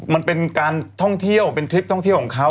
มันเป็นการท่องเที่ยวเป็นทริปท่องเที่ยวของเขา